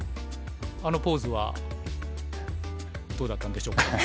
あのポーズはどうだったんでしょうか？